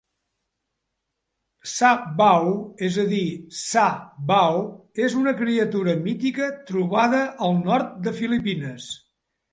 Sabaw, és a dir, Sah-Bao, és una criatura mítica trobada al nord de Filipines.